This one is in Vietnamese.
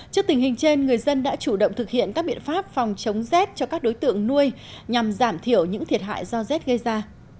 trước tình hình trên người dân đã chủ động thực hiện các biện pháp phòng chống rét cho các đối tượng nuôi nhằm giảm thiểu những thiệt hại do rét gây ra